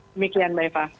demikian mbak eva